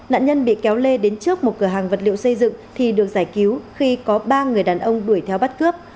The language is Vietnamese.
nạn nhân bị kéo lê đến trước một cửa hàng vật liệu xây dựng thì được giải cứu khi có ba người đàn ông đuổi theo bắt cướp